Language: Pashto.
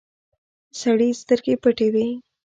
سړي سترګې پټې وې.